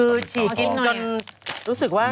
คือจิกยนต์รู้สึกว่า